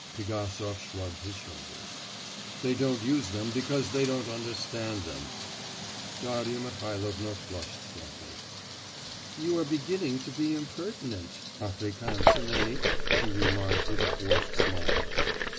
Pigasov shrugged his shoulders. 'They don't use them because they don't understand them.' Darya Mihailovna flushed slightly. 'You are beginning to be impertinent, African Semenitch!' she remarked with a forced smile.